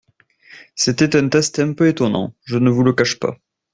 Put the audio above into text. C’était un test un peu étonnant, je ne vous le cache pas.